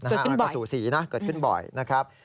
เกิดขึ้นบ่อยอ้าวก็สูสีนะเกิดขึ้นบ่อยนะครับ